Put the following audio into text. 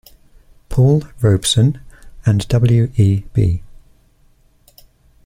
Paul Robeson and W. E. B.